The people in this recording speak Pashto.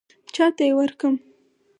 چاته یې ورکړم.